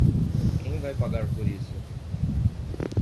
Quem vai pagar por isso?